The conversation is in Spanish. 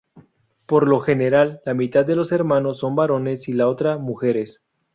Por lo general la mitad de los hermanos son varones y la otra mujeres.